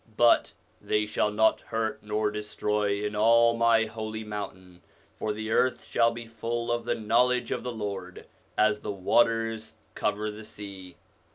But ' they shall not hurt nor destroy in all My holy mountain : for the earth shall be full of the knowledge of the Lord, as the waters cover the sea.'